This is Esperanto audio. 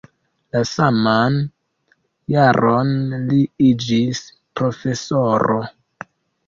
La saman jaron li iĝis profesoro.